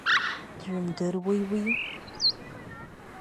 Джәымдыруеи уи?